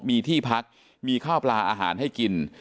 มีที่พักมีข้าวปลาอาหารให้กิน